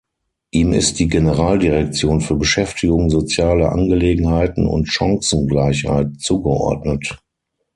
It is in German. Ihm ist die Generaldirektion für Beschäftigung, soziale Angelegenheiten und Chancengleichheit zugeordnet.